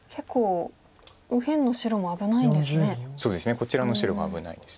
こちらの白が危ないです。